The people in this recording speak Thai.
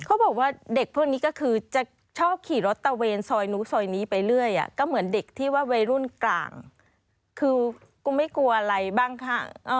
เขาบอกว่าเด็กพวกนี้ก็คือจะชอบขี่รถตะเวนซอยนู้นซอยนี้ไปเรื่อยก็เหมือนเด็กที่ว่าวัยรุ่นกลางคือกูไม่กลัวอะไรบ้างค่ะ